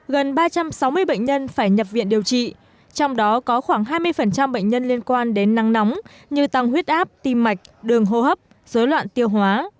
gần ba trăm sáu mươi bệnh nhân phải nhập viện điều trị trong đó có khoảng hai mươi bệnh nhân liên quan đến nắng nóng như tăng huyết áp tim mạch đường hô hấp dối loạn tiêu hóa